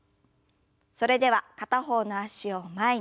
それでは片方の脚を前に。